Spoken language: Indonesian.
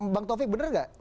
pak taufik benar gak